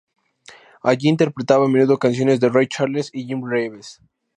Allí interpretaba a menudo canciones de Ray Charles y Jim Reeves.